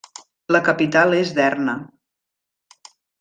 La capital és Derna.